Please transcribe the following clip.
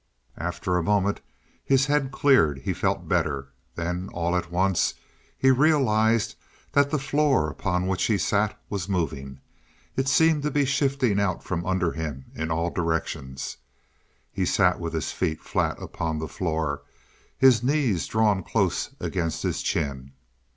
After a moment his head cleared; he felt better. Then all at once he realized that the floor upon which he sat was moving. It seemed to be shifting out from under him in all directions. He sat with his feet flat upon the floor, his knees drawn close against his chin.